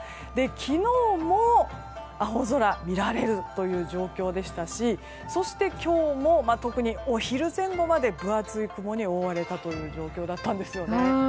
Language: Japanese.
昨日も、青空が見られるという状況でしたしそして今日も特にお昼前後まで分厚い雲に覆われた状況だったんですね。